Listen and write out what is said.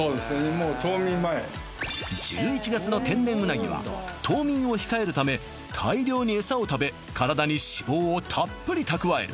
もう１１月の天然うなぎは冬眠を控えるため大量に餌を食べ体に脂肪をたっぷり蓄える